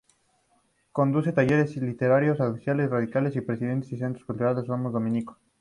Conduce talleres literarios, audiciones radiales y preside el Centro Cultural "Somos Dominico".